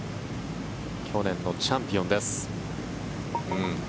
去年のチャンピオンです。